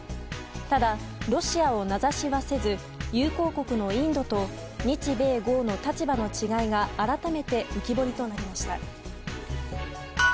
ただ、ロシアを名指しはせず友好国のインドと日米豪の立場の違いが、改めて浮き彫りとなりました。